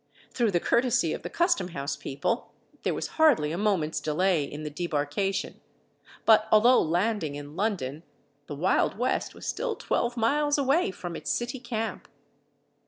Through the courtesy of the custom house people there was hardly a moment's delay in the debarkation; but although landing in London, the Wild West was still twelve miles away from its city camp.